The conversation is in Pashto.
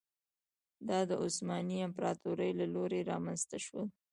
دا د عثماني امپراتورۍ له لوري رامنځته شول.